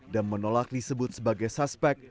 dan menolak disebut sebagai suspek